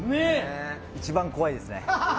一番怖いですね。